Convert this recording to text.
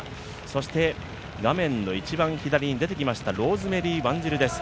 そして、画面の一番左に出てきましたローズメリー・ワンジルです。